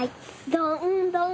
どんどん？